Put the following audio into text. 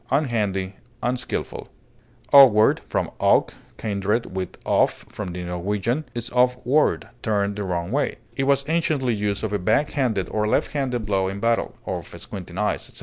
clownish, maladroit, ungainly, Awkward, from awk (kindred with off, from the Norwegian), is off ward, turned the wrong way; it was anciently used of a back handed or left handed blow in battle, of squinting eyes, etc.